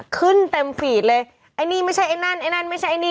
ขึ้นเต็มฟีดเลยไอ้นี่ไม่ใช่ไอ้นั่นไอ้นั่นไม่ใช่ไอ้นี่